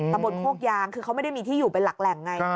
ตะบนโคกยางคือเขาไม่ได้มีที่อยู่เป็นหลักแหล่งไง